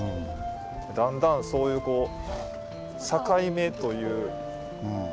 だんだんそういう境目という。